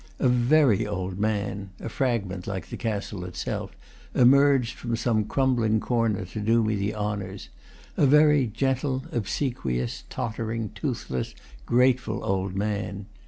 A very old man (a fragment, like the castle itself) emerged from some crumbling corner to do me the honors, a very gentle, obsequious, tottering, toothless, grateful old man.